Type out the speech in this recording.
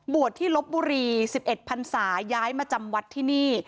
ที่ลบบุรี๑๑พันศาย้ายมาจำวัดที่นี่